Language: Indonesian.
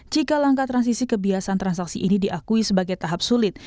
jika langkah transisi kebiasaan transaksi ini diakui sebagai tahap sulit